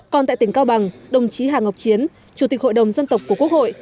còn tại tỉnh cao bằng đồng chí hà ngọc chiến chủ tịch hội đồng dân tộc của quốc hội